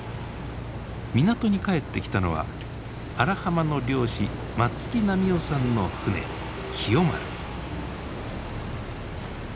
港に帰ってきたのは荒浜の漁師松木波男さんの船喜代丸。